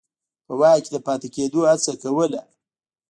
په واک کې د پاتې کېدو هڅه کوله.